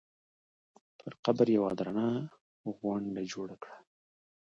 پر قبر یوه درنه غونډه جوړه کړه.